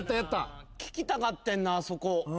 聴きたかってんなそこ。